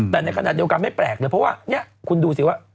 แต่ในขณะเดียวกันไม่แปลกเลยเพราะว่านี่คุณดูสิว่า